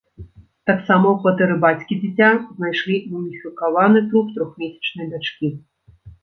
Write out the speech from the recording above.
Таксама ў кватэры бацькі дзіця знайшлі муміфікаваны труп трохмесячнай дачкі.